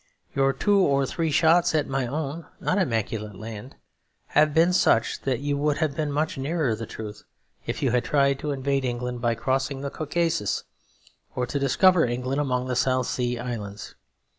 Your two or three shots at my own not immaculate land have been such that you would have been much nearer the truth if you had tried to invade England by crossing the Caucasus, or to discover England among the South Sea Islands.